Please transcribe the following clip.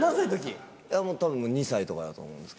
多分２歳とかだと思います。